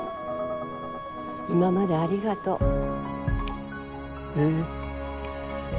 今までありがとう。え？